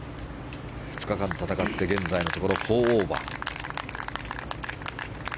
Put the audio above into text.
２日間戦って現在のところ４オーバー。